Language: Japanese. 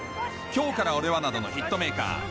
『今日から俺は‼』などのヒットメーカー